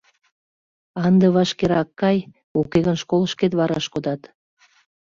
А ынде вашкерак кай, уке гын школышкет вараш кодат.